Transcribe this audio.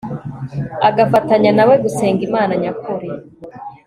agafatanya nawe gusenga imana nyakuri